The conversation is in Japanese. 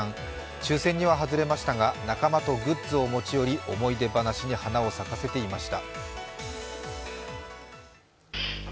抽選には外れましたが、仲間とグッズを持ち寄り思い出話に花を咲かせていました。